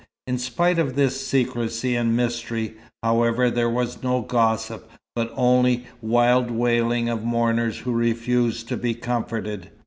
In spite of this secrecy and mystery, however, there was no gossip, but only wild wailing, of mourners who refused to be comforted.